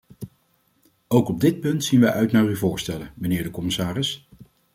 Ook op dit punt zien wij uit naar uw voorstellen, mijnheer de commissaris.